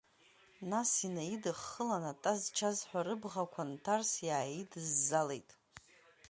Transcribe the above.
Нас инеидыххылан, атаз-чазҳәа рыбӷақәа нҭарс иааидыззалеит.